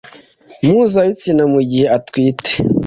mpuzabitsina mu gihe atwite